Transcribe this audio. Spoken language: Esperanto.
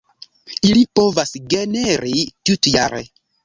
Ili povas generi tutjare.